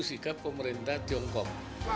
sikap pemerintah tiongkok